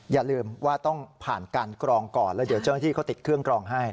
อย่าลืมว่าต้องผ่านการกรองก่อนแล้วเดี๋ยวเจ้าหน้าที่เขาติดเครื่องกรองให้